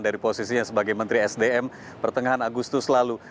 dari posisinya sebagai menteri sdm pertengahan agustus lalu